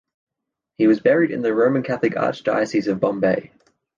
He was buried in the Roman Catholic Archdiocese of Bombay.